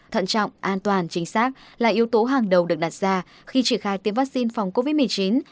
thận trọng an toàn chính xác là yếu tố hàng đầu được đặt ra khi triển khai tiêm vaccine phòng covid một mươi chín